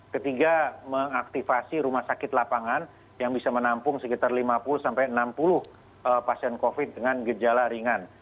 ketiga mengaktivasi rumah sakit lapangan yang bisa menampung sekitar lima puluh enam puluh pasien covid dengan gejala ringan